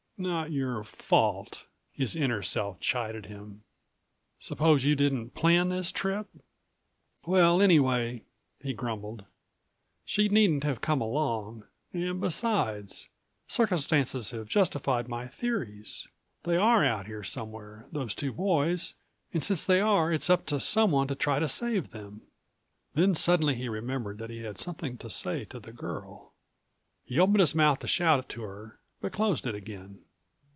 "Not your fault?" his inner self chided him. "Suppose you didn't plan this trip?" "Well, anyway," he grumbled, "she needn't188 have come along, and, besides, circumstances have justified my theories. They are out here somewhere, those two boys, and since they are it's up to someone to try to save them." Then suddenly he remembered that he had something to say to the girl. He opened his mouth to shout to her, but closed it again.